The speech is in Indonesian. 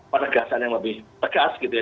penegasan yang lebih tegas gitu ya